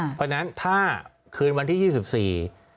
เพราะฉะนั้นถ้าคืนวันที่๒๔